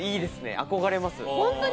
憧れます。